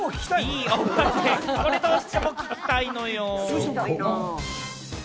どうしても聞きたいのよ。